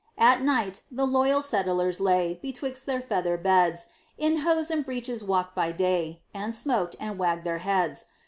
At night the loyal settlers lay Betwixt their feather beds; In hose and breeches walked by day, And smoked, and wagged their heads.